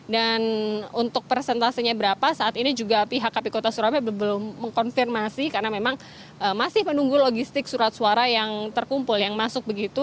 dan untuk persentasenya berapa saat ini juga pihak kpu kota surabaya belum mengkonfirmasi karena memang masih menunggu logistik surat suara yang terkumpul yang masuk begitu